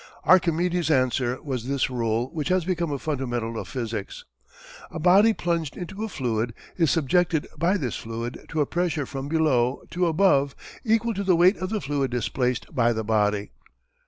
Archimedes' answer was this rule which has become a fundamental of physics: "A body plunged into a fluid is subjected by this fluid to a pressure from below to above equal to the weight of the fluid displaced by the body."